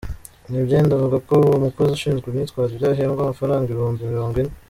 Nyabyenda avuga ko uwo mukozi ushinzwe imyitwarire ahembwa amafaranga ibihumbi mirongo ine.